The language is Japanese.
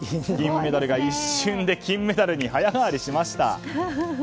銀メダルが一瞬で金メダルに早変わりしました。